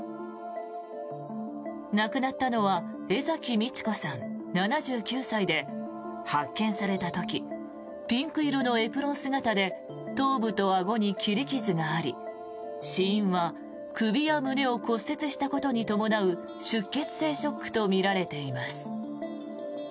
亡くなったのは江嵜三千子さん、７９歳で発見された時ピンク色のエプロン姿で頭部とあごに切り傷があり死因は首や胸を骨折したことに伴う出血性ショックとみられています。